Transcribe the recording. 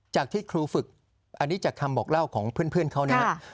จากที่ครูฝึกอันนี้จากคำบอกเล่าของเพื่อนเขานะครับ